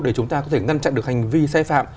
để chúng ta có thể ngăn chặn được hành vi sai phạm